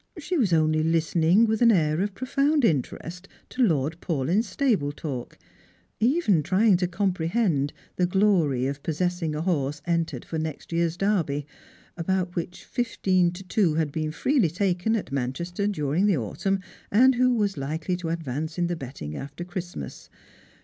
She was only listening with an air of pro found interest to Lord Paulyn's stable talk, even trying to comprehend the glory of possessing a horse entered for next year's Derby, about which fifteen to two had been freely taken at Manchester during the autumn, and who was likely to advance in the betting after Christmas.